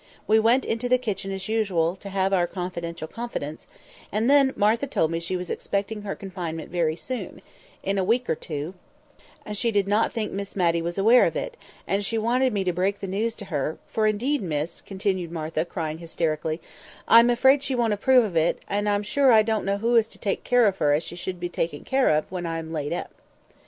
We went into the kitchen as usual, to have our confidential conference, and then Martha told me she was expecting her confinement very soon—in a week or two; and she did not think Miss Matty was aware of it, and she wanted me to break the news to her, "for indeed, miss," continued Martha, crying hysterically, "I'm afraid she won't approve of it, and I'm sure I don't know who is to take care of her as she should be taken care of when I am laid up."